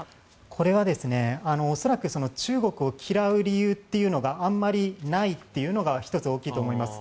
これは恐らく中国を嫌う理由というのがあまりないというのが１つ大きいと思います。